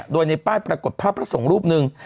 โดยในป้ายปรากฏพระพระศงภ์รูปนึง